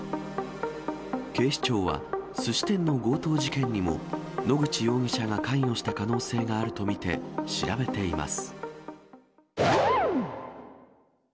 警視庁は、すし店の強盗事件にも、野口容疑者が関与した可能性があると見て、調べています。